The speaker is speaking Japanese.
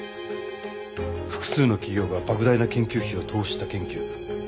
複数の企業が莫大な研究費を投資した研究。